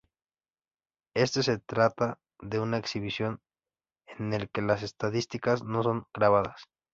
Éste se trata de una exhibición en el que las estadísticas no son grabadas.